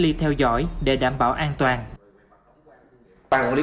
ngay từ những ngày đầu công nhân trở lại làm việc